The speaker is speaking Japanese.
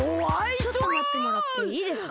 ちょっとまってもらっていいですか？